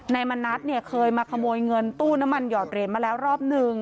มณัฐเนี่ยเคยมาขโมยเงินตู้น้ำมันหอดเหรียญมาแล้วรอบนึง